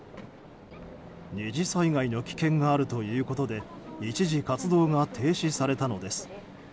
２次災害の危険があるということで一時、活動が停止されたのです。